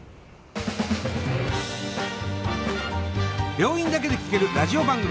病院だけで聴けるラジオ番組。